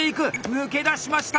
抜け出しました！